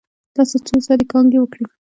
تاسو څو ځلې کانګې وکړې؟